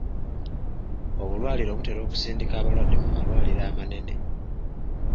Obulwaliro butera okusindika abalwadde mu malwaliro amanene.